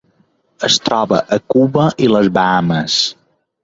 Es troba a Cuba i les Bahames.